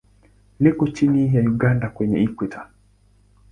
Liko nchini Uganda kwenye Ikweta.